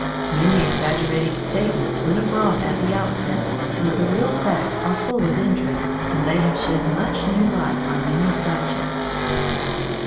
Many exaggerated statements went abroad at the outset, but the real facts are full of interest, and they have shed much new light on many subjects.